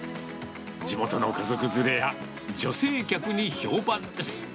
地元の家族連れや女性客に評判です。